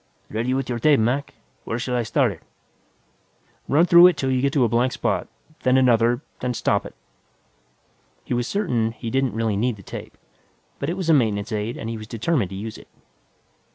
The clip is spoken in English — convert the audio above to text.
"Ready with your tape, Mac. Where shall I start it?" "Run it through 'til you get to a blank spot, then another, then stop it." He was certain he didn't really need the tape, but it was a maintenance aid and he was determined to use it.